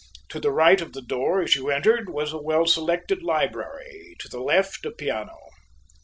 To the right of the door, as you entered, was a well selected library; to the left a piano.